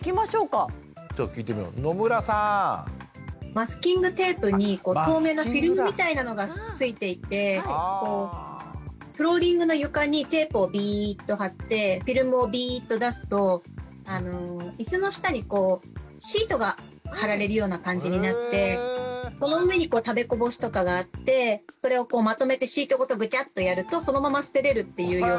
マスキングテープに透明なフィルムみたいなのがついていてフローリングの床にテープをビーッとはってフィルムをビーッと出すと椅子の下にシートがはられるような感じになってその上に食べこぼしとかがあってそれをまとめてシートごとグチャッとやるとそのまま捨てれるっていうような。